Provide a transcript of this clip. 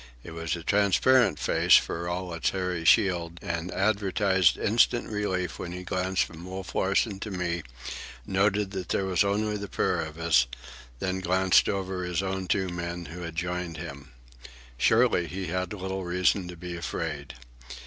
It was a transparent face, for all of its hairy shield, and advertised instant relief when he glanced from Wolf Larsen to me, noted that there was only the pair of us, and then glanced over his own two men who had joined him. Surely he had little reason to be afraid.